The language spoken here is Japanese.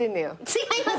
違います！